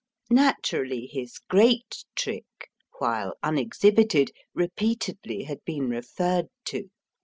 Naturally, his great trick, while unexhibited, repeatedly had been referred to.